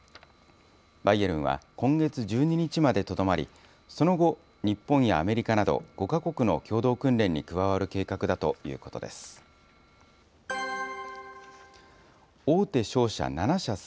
バイエルンは今月１２日までとどまり、その後、日本やアメリカなど５か国の共同訓練に加わる計画だということです。